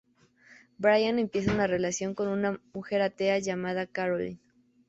Brian empieza una relación con una mujer atea llamada Carolyn.